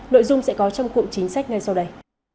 nội dung sẽ có trong cụm chính sách ngay sau đây